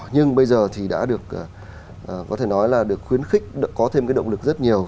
nhưng bây giờ thì đã được có thể nói là được khuyến khích có thêm cái động lực rất nhiều